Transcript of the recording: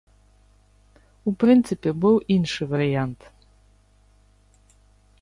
У прынцыпе, быў іншы варыянт.